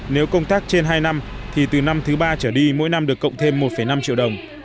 nếu công tác trên hai năm thì từ năm thứ ba trở đi mỗi năm được cộng thêm một năm triệu đồng